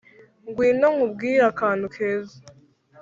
ngwino nkubwire akantu keza